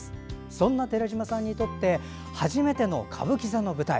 そんな寺島さんにとって初めての歌舞伎座の舞台。